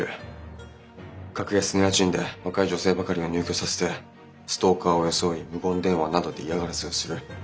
格安の家賃で若い女性ばかりを入居させてストーカーを装い無言電話などで嫌がらせをする。